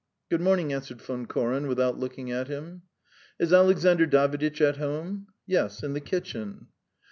"Good morning," answered Von Koren, without looking at him. "Is Alexandr Daviditch at home?" "Yes, in the kitchen."